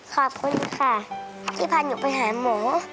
ขอบคุณค่ะที่พาหนูไปหาหมู